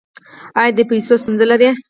ایا د پیسو ستونزه لرئ؟